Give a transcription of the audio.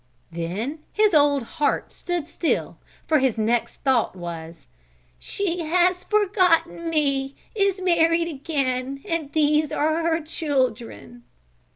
Then his old heart stood still for his next thought was: "She has forgotten me, is married again and these are her children."